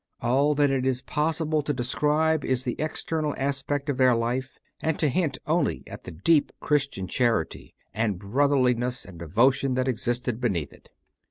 All that it is possible to describe is the external aspect of their life and to hint only at the deep Christian charity and brotherli ness and devotion that existed beneath it.